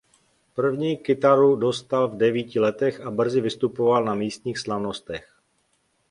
První kytaru dostal v devíti letech a brzy vystupoval na místních slavnostech.